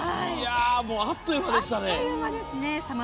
あっという間でしたね。